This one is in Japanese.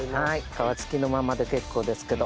皮付きのままで結構ですけど。